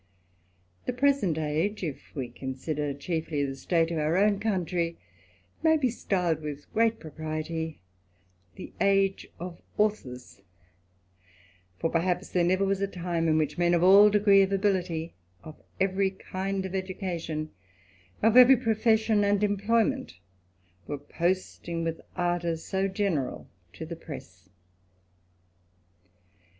The present age, if we consider chiefly the state of our ^wi country, may be styled with great propriety The age of tuihors; for, perhaps, there never was a time in which Qen of all d^rees of ability, of every kind of education, of ^very profession and employment, were posting with ardour o general to the press.